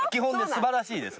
素晴らしいです。